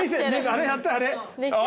あれやってあれ。